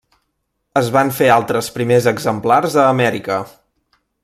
Es van fer altres primers exemplars a Amèrica.